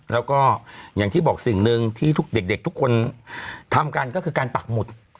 แล้วก็อย่างที่บอกสิ่งหนึ่งที่ทุกเด็กทุกคนทำกันก็คือการปักหมุด